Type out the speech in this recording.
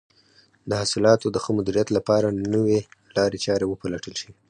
د حاصلاتو د ښه مدیریت لپاره نوې لارې چارې وپلټل شي.